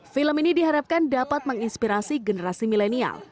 film ini diharapkan dapat menginspirasi generasi milenial